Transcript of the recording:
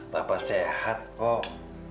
bapak sehat kok